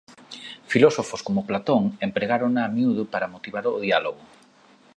Filósofos como Platón empregárona a miúdo para motivar o diálogo.